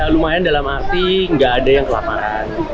lumayan dalam arti nggak ada yang kelaparan